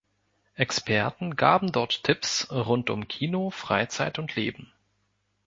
Experten gaben dort Tipps rund um Kino, Freizeit und Leben.